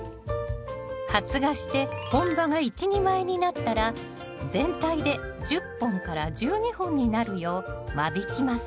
発芽して本葉が１２枚になったら全体で１０本１２本になるよう間引きます